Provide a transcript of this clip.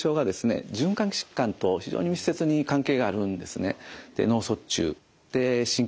循環器疾患と非常に密接に関係があるんですね。